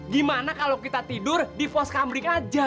gimana kalau kita tidur di vos kamlik aja